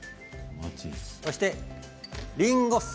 そして、りんご酢。